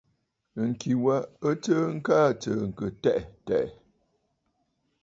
Ŋ̀kì wa ɨ t;sɨɨkə aa tsɨ̀ɨ̀ŋkə̀ tɛʼɛ̀ tɛ̀ʼɛ̀.